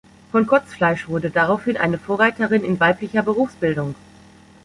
Von Kortzfleisch wurde daraufhin eine Vorreiterin in weiblicher Berufsbildung.